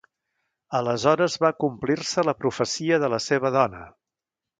Aleshores va complir-se la profecia de la seva dona